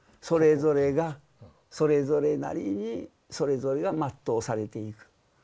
それぞれがそれぞれなりにそれぞれが全うされていく。